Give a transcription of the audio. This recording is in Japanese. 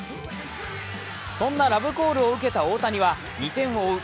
そんなラブコールを受けた大谷は２点を追う